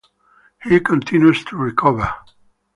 He continues to recover.